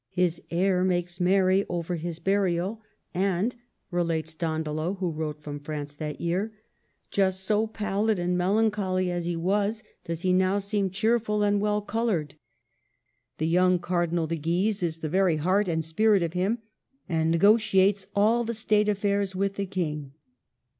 His heir makes mei ry over his burial ; and, relates Dandolo, who wrote from France that year, ''just so pallid and melancholy as he was, does he now seem cheerful and well colored. The young Cardinal de Guise is the very heart and spirit of him, and negotiates all State affairs with the King."